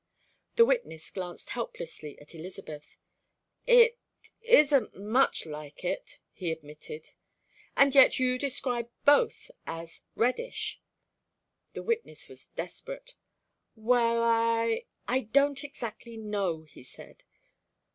The witness glanced helplessly at Elizabeth. "It isn't much like it," he admitted. "And yet you describe both as 'reddish?'" The witness was desperate. "Well, I I don't exactly know" he said.